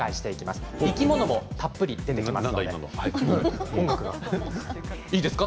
生き物も、たっぷり出てきます。